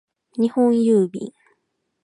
日本郵便